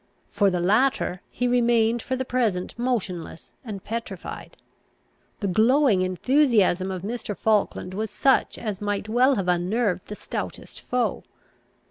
For the latter, he remained for the present motionless and petrified. The glowing enthusiasm of Mr. Falkland was such as might well have unnerved the stoutest foe.